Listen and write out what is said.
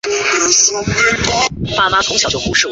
他们躲藏在艾尔行星上芬尼克斯指挥下的神族基地中。